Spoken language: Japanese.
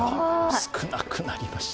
少なくなりました